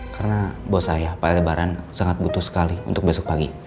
karena bos saya pak aldebaran sangat butuh sekali untuk besok pagi